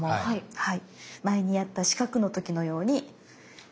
はい。